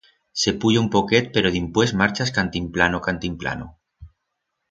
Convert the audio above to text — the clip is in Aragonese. Se puya un poquet pero dimpués marchas cantimplano-cantimplano.